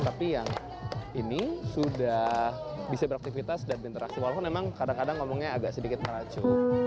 tapi yang ini sudah bisa beraktivitas dan berinteraksi walaupun memang kadang kadang ngomongnya agak sedikit meracu